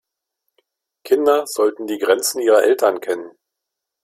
Kinder sollten die Grenzen ihrer Eltern kennen.